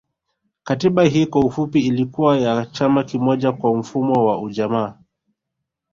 Katiba Hii kwa ufupi ilikuwa ya chama kimoja kwa mfumo wa ujamaa